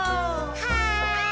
はい！